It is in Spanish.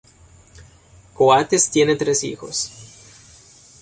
Coates tiene tres hijos.